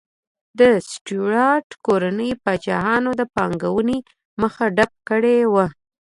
د سټیورات کورنۍ پاچاهانو د پانګونې مخه ډپ کړې وه.